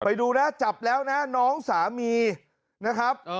ไปดูนะจับแล้วนะน้องสามีนะครับ